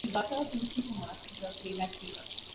His daughter Tulsi Kumar is a playback singer.